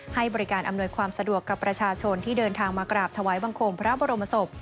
ให้บริการอำนวยความสะดวกกับประชาชนที่เดินทางมากราบถวายบังคมพระบรมศพ